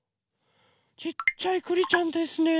ちっちゃいくりちゃんですね。